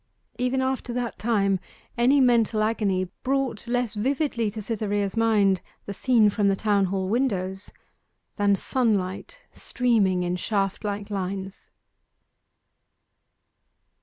Even after that time any mental agony brought less vividly to Cytherea's mind the scene from the Town Hall windows than sunlight streaming in shaft like lines.